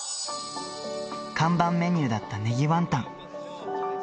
看板メニューだったねぎワンタン。